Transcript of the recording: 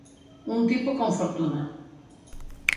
Un tipo con fortuna.